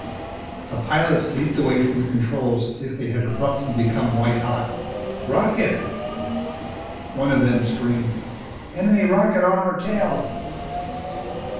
_ The pilots leaped away from the controls as if they had abruptly become white hot. "Rocket," one of them screamed. "Enemy rocket on our tail!"